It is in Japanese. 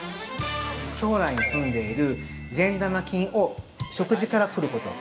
腸内にすんでいる善玉菌を食事からとること。